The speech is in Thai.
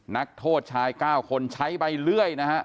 นักโทษชาย๙คนใช้ใบเลื่อยนะฮะ